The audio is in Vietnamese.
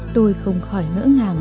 tôi không khỏi ngỡ ngàng